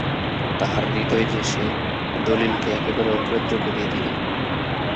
তাহার হৃদয় যে সে দলিলকে একেবারে অগ্রাহ্য করিয়া দিল।